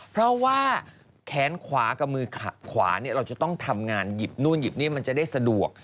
เพราะแขนคว้ากับมือคว้าเราต้องทำงานหยิบนูนแสดวก